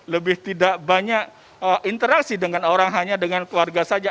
lebih tidak banyak interaksi dengan orang hanya dengan keluarga saja